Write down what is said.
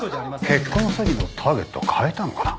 結婚詐欺のターゲットかえたのかな？